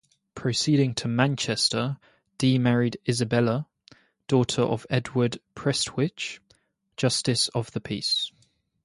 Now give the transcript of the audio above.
Proceeding to Manchester, Dee married Isabella, daughter of Edward Prestwych, justice of the peace.